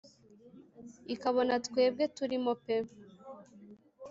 ikabona twebwe turimo pe